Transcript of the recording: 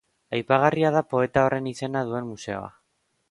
Aipagarria da poeta horren izena duen museoa.